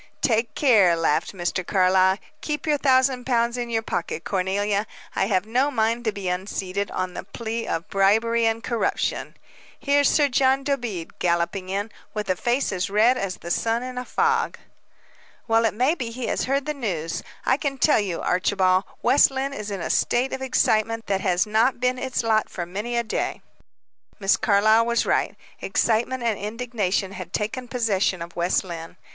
"Take care," laughed Mr. Carlyle. "Keep your thousand pounds in your pocket, Cornelia. I have no mind to be unseated, on the plea of 'bribery and corruption.' Here's Sir John Dobede galloping in, with a face as red as the sun in a fog." "Well, it may be he has heard the news. I can tell you, Archibald, West Lynne is in a state of excitement that has not been its lot for many a day." Miss Carlyle was right. Excitement and indignation had taken possession of West Lynne.